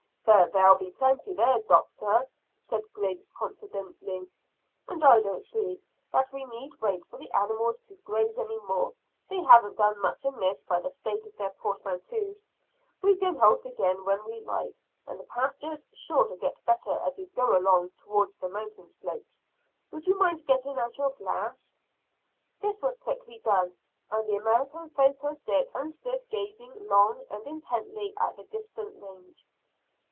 "But there'll be plenty there, doctor," said Griggs confidently, "and I don't see that we need wait for the animals to graze any more; they haven't done much amiss by the state of their portmanteaus. We can halt again when we like, and the pasture's sure to get better as we go along towards the mountain slopes. Would you mind getting out your glass?" This was quickly done, and the American focussed it and stood gazing long and intently at the distant range.